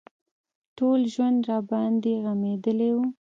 ټول ژوند راباندې غمېدلى و.